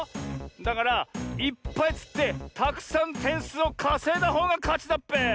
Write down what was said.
だからいっぱいつってたくさんてんすうをかせいだほうがかちだっぺ！